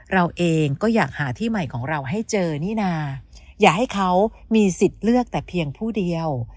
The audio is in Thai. เราเองก็อยากหาที่ใหม่ของเราให้เจอนี่นาอย่าให้เขามีสิทธิ์เลือกแต่เพียงผู้เดียว